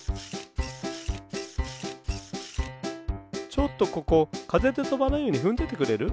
ちょっとここかぜでとばないようにふんどいてくれる？